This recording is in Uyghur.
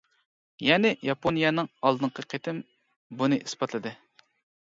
يەنى ياپونىيەنىڭ ئالدىنقى قېتىم بۇنى ئىسپاتلىدى.